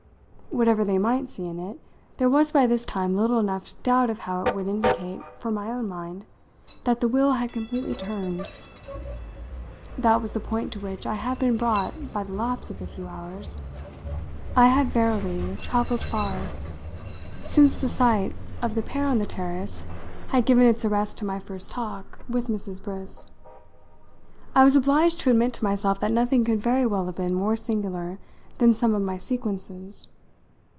Whatever they might see in it, there was by this time little enough doubt of how it would indicate for my own mind that the wheel had completely turned. That was the point to which I had been brought by the lapse of a few hours. I had verily travelled far since the sight of the pair on the terrace had given its arrest to my first talk with Mrs. Briss. I was obliged to admit to myself that nothing could very well have been more singular than some of my sequences.